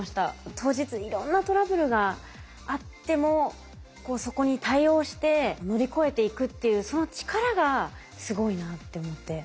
当日いろんなトラブルがあってもそこに対応して乗り越えていくっていうその力がすごいなって思って。